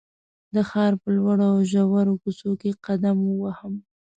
د ښار په لوړو او ژورو کوڅو کې قدم ووهم.